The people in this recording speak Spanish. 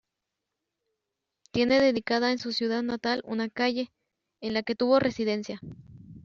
Tiene dedicada en su ciudad natal una calle, en la que tuvo residencia.